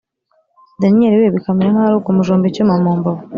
daniel we bikamera nkaho arukumujomba icyuma mu mbavu,